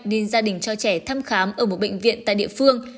nên gia đình cho trẻ thăm khám ở một bệnh viện tại địa phương